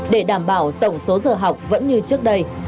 để đảm bảo tổng số giờ học vẫn như trước đây